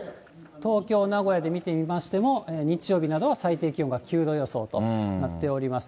東京、名古屋で見てみましても、日曜日などは最低気温が９度予想となっております。